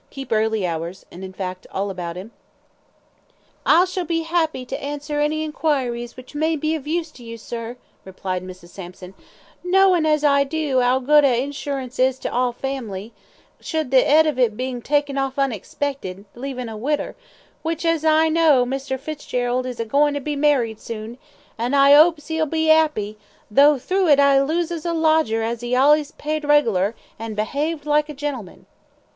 keep early hours? and, in fact, all about him?" "I shall be 'appy to answer any enquiries which may be of use to you, sir," replied Mrs. Sampson; "knowin' as I do, 'ow good a insurance is to a family, should the 'ead of it be taken off unexpected, leavin' a widder, which, as I know, Mr. Fitzgerald is a goin' to be married soon, an' I 'opes 'e'll be 'appy, tho' thro' it I loses a lodger as 'as allays paid regler, an' be'aved like a gentleman."